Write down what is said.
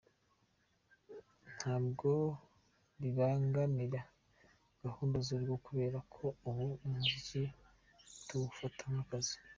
Ntabwo bibangamira gahunda z’urugo kubera ko ubu umuziki tuwufata nk’akazi.